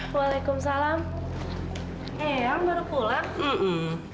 aku juga sebelumnya saya udah lama atau masih ada pandemi ini